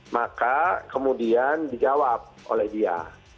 maka kemudian dijawab oleh dia